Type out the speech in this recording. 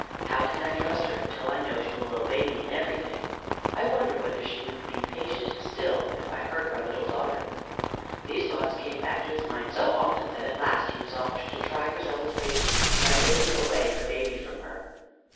How can I trust her until I know that she will obey me in everything? I wonder whether she would be patient still if I hurt our little daughter." These thoughts came back to his mind so often that at last he resolved to try Griselda's patience by taking away her baby from her.